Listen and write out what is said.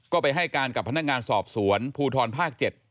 ก็ไปให้การกับพนักงานสอบสวนภูทรภาค๗